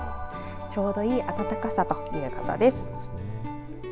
ちょうどいい暖かさということです。